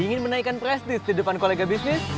ingin menaikkan prestis di depan kolega bisnis